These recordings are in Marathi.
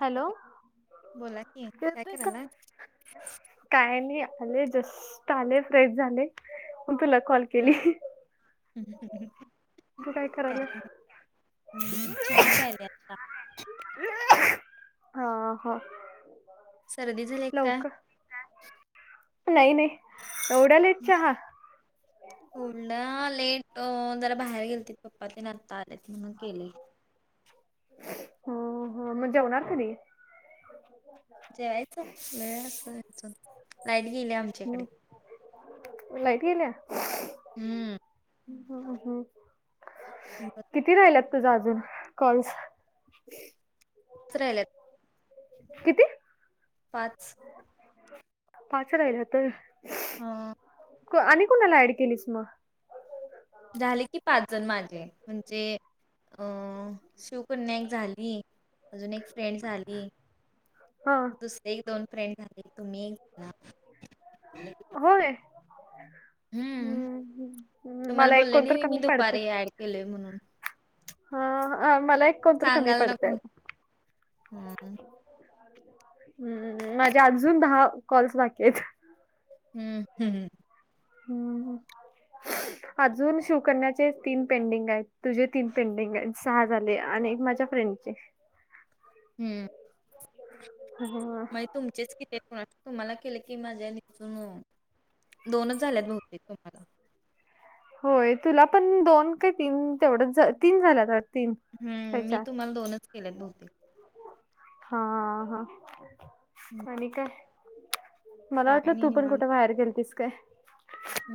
हॅलो बोला कि काय येतोय का? करायलात. काय नाही आले जस्ट आले फ्रेश झाले मग तुला कॉल हा केली. [unintelligible] तु काय कराल. नाही चहा प्यायले आता हा हा. सर्दी झाली काय लवक नाही नाही एवढ्या लेट चहा. थोड लेट जरा बाहेर गेल त पप्पा तेन आता आले त म्हणून केले. हो हो मग जेवणार कधी जेवायच वेळ असतच लाईट गेली हं. आमच्याकडे. लाईट गेल्या. हम्म. ह ह ह पाच किती राहिल्यात तुझ अजून कॉल्स? [inaudible] राहिल्यात. किती? पाच. पाच राहिला तर. हा आणि कुणाला ऍड केलीच मग झाले की पाच जण माझे म्हणजे अ शिवकन्या एक झाली अजून एक फ्रेंड झाली हा दुस एक दोन फ्रेंड झाले तुम्ही एक झाला होय हम्म मला एक कोणत कमी पडतंय. केले म्हणून. हा मला एक कोणतर कमी सांगायला नको. पडतय. हम्म हम् माझे अजून दहा कॉल्स बाकी आहेत. हम्म हम्. हम्म. ह अजून शिवकन्याचे तीन पेंडिंग आहेत तुझे तीन पेंडिंग आहेत सहा झाले, आणि एक माझ्या फ्रेंडचे. हम्म. हा. मग तुमचेच किती आहेत तुम्हाला केलं की माझ्या निसून दोनच झाल्यात बहुतेक तुम्हाला. होय तुला पण दोन काय तीन तेवढच तीन झाल्यात तीन काय हम्म मी चार तुम्हाला दोनच केलेत बहुतेक. हा हा हम्म. आणि काय? मला काय वाटलं नाही तू पण निवांत. कुठं बाहेर गेलतीस काय.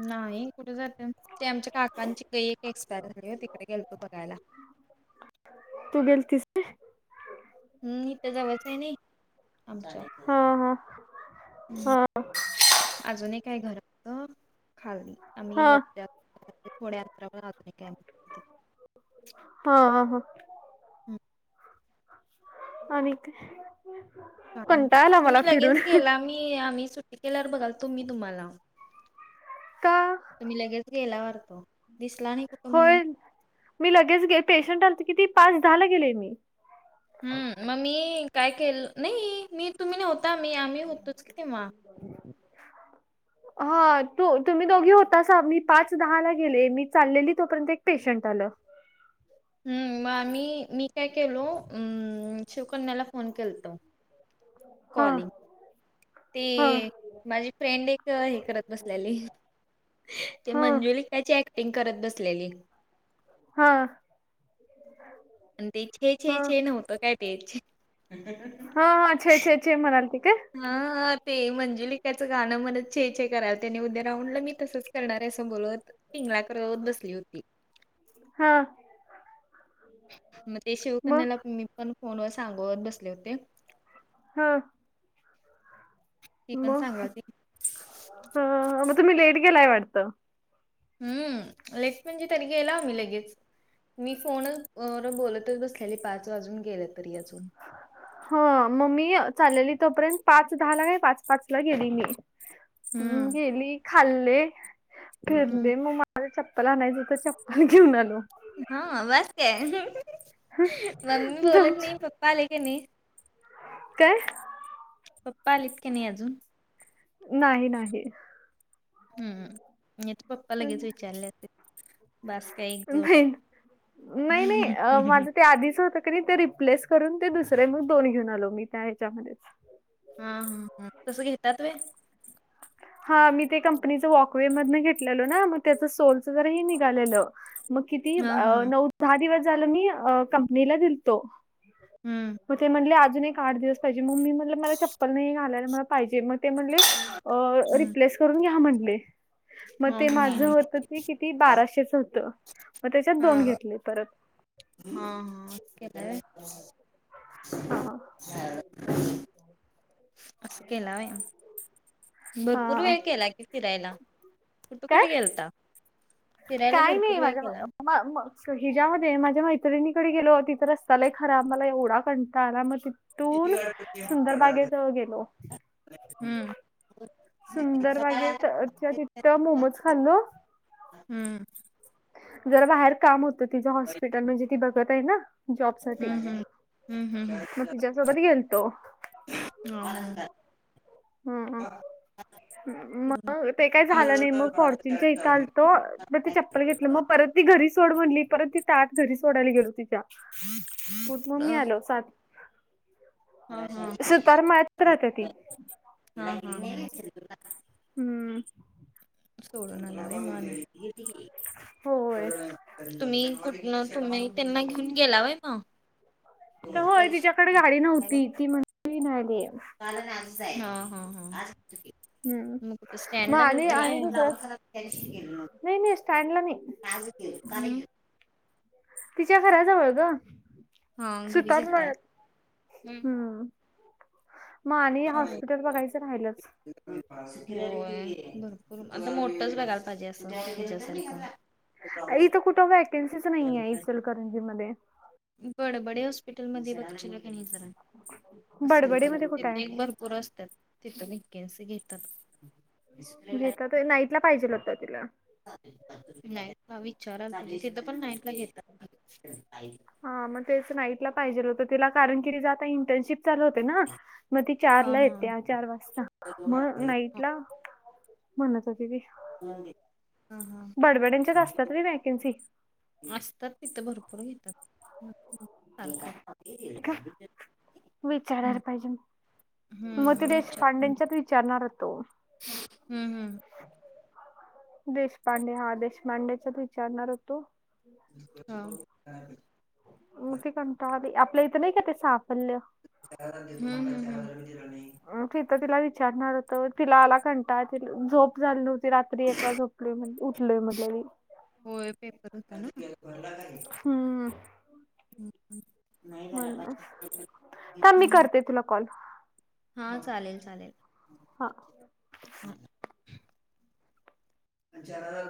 नाही कुठे जाते ते आमच्या काकांची गई एक एक्सपायर झाली तिकडे गेलतो बघायला. तू गेलतीस? हम्म इथं जावच आहे नाई आमच्या. हा हा हम्म, हा. अजून एक काय घर खाल्ली आम्ही हा वर थोड्या अंतरावर अजून एकाय. हा हा. हम आणि काय? काय नाही कंटाळ आला तुम्ही मला फिरून. लगेच गेला आम्ही सुटी केल्यावर बघालतो तुम्ही तुम्हाला. का? तुम्ही लगेच गेला वाढत दिसला नाही. कुठं म्हणून. होय मी लगेच गे पेशंट आलते किती पाच दहा ला गेले मी. हम्म मग मी काय केल नाही मी तुम्ही नव्हता मी आम्ही होतोच कि तेव्हा. [inaudible] हा तू तुम्ही दोघी होतासा मी पाच दहाला गेले मी चाललेली तोपर्यंत एक पेशंट आलं. हम्म मग आम्ही मी काय केलोम शिवकन्याला फोन केल त हा कॉलिंग हा ते माझी फ्रेंड एक हे करत बसलेली ते हा मंजुली त्याची ऍक्टिंग करत बसलेली हा आणि ते छ छे हा छे नव्हतं काय तेचे हा हा छे छे छ म्हणाल त काय हा ते मंजुलिकाचं गाणं म्हण चे छ कराल त्यानी उद्या राऊंडला मी तसंच करणार आहे असं बोलव होत हिंगलाकरवत बसली होती हा मग ते मग शिवकन्याला मी पण फोन व सांगोत बसले होते हम्म ती पण मग सांगालती ह मग तुम्ही लेट गेलाय वाटतं. हम्म लेच म्हणजे तरी गेलो आम्ही लगेच. मी फोनच वर बोलतच बसलेले पाच वाजून गेले तरी अजून. ह मग मी चाललेली तोपर्यंत पाच दहा ला काय पाच पाच ला गेली मी. हम्म. गेली खाल्ले हम्म फिरले मग मला चप्पल आणायच होत चप्पल घेऊन आलो. हा बास काय, मम्मी बोलत दोन- नाही पप्पा आले की नाही काय? पप्पा आलीत का नाही अजून नाही नाही हम्म मी तर पप्पा लगेच विचारले अस बास का एक जोड नाही नाही नाही अ, माझं आधीच हो ते रिप्लेस करून ते दुसरे मग दोन घेऊन आलो मी त्या ह्याच्यामध्ये हा हा ह तसं घेतात व हा मी ते कंपनीच वॉकवे मधून घेतलेलो ना मग त्याच सोलच जराही निघालेलं मग किती हा हम्म नऊ दहा दिवस झालं मी कंपनीला दिलतो हम्म मग ते म्हटले अजून एक आठ दिवस पाहिजे मग मी म्हटलं मला चप्पल नाही घालायला मला पाहिजे मग ते म्हणले हम्म. रिप्लेस करून घ्या म्हटले मग हा ते माझ होत ते किती बाराशेच होत मग त्याच्यात हा दोन घेतले परत हा हा के हा असं केला वम भरपूर हां. वेळ केला की फिरायला कुठे काय? कुठे गेलता फिरायला काय नाही भरपूर वेळ केला. माझ्या हिज्यामध्ये माझ्या मैत्रिणीकडे गेलो तिथं रस्ता लाय खराब मला एवढा कंठाला आला मग ति तून सुंदरबागेत गेलो हम्म हम्म सुंदर वागे त्याच्या तितथं मोमज खाल्ल हम्म जरा बाहेर काम होतं तिचं हॉस्पिटल म्हणजे ती बघत आहे ना जॉब सा हम्म हम्म मग तिच्या्यासोबत गेल तो ंद हम्म. मग ते काय झालं नाही मग फॉर्च्यूनच्या इथं आलतो म ते चप्पल घेतलं मग परत ती घरी सोड म्हणली परत ती तात घरी सोडाली गेल हो ती त्यात मग कुठ मी आलो हा हा चालत सुतार मळयात राहते हा ती हा हम्म सोडूनलाे मा होय तुम्ही कुठ तुम्ही त्यांना घेऊन गेलावय म तर होय तिच्याकडे गाडी नव्हती ती म्हण नाहीली हा हा हम्म मग स्टँड मग ला आणि आणि दुसरं गेल नाही नाही स्टँडला नाही आणि तिच्या घराजवळ ग हा घरी सुतार गेलता मळ्यात हम्म मग आणि या हॉस्पिटल बघायचं राहिलंच होय भरपूर आता मोठस बघायला पाहिजे असंच्या इथं कुठं वॅकन्सीच नाहीये इचलकरंजी मध्ये बडबडे हॉस्पिटलमध्येक्ष जरा असेल बडबडी तर मध्ये कुठे तिथे एक आहे भरपूर असतात तिथ नेच घेतात घेताात नाईटला पाहिजेल होता तिला नाही विचारा तिथं पण नाटला घेत हा मग तेच नाईटला पाहिजेल होतं तिला कारण की जे आता इंटर्नशिप चालू होते ना मग त चार हा ला हा येते चार वाजता मग नाईट हा ला म्हणत होते बी हा हा. बडबड्यांच्यात असतात र वॅकन्सी असतात तिथं भरपूर घेतात चाल का हम्म मतु हम्म देेश विचारून पांडेच्यात विचारणार तो हम्म हम्म देशपांडे हा देशपांडेचाच विचारणार होतो हा मग ते कंट आली आपल्या इथं नाही का ते साफल्य दिला नाही तिथं तिला विचारणार होत तिला आला कंटा त झोप झा होत रात्री एक वा झपलोय म्ह उठलोय म्हधल्याली होय पेपर होता ना हम्म म्हणस का मी हम्म. करते तुला कॉल हा चालेल चालेल हा जन